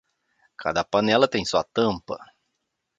Cada panela tem sua tampa.